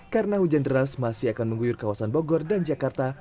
karena hujan deras masih akan mengguyur kawasan bogor dan jakarta